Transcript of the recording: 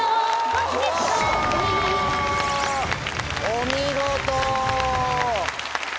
お見事！